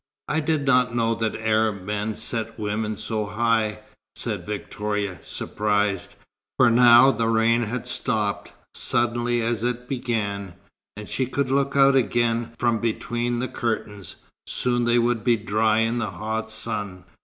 "I did not know that Arab men set women so high," said Victoria, surprised; for now the rain had stopped, suddenly as it began, and she could look out again from between the curtains. Soon they would dry in the hot sun.